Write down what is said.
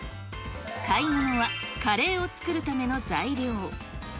買い物はカレーを作るための材料。